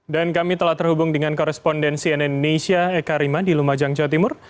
dan kami telah terhubung dengan korespondensi indonesia eka rima di lumajang jawa timur